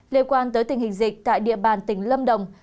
liên quan tới tình hình dịch tại địa bàn tỉnh lâm đồng